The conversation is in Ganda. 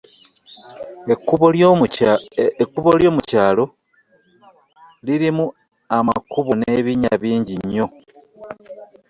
Ekubo lyo mu kyalolirimu amakubo ne binnya bingi nnyo.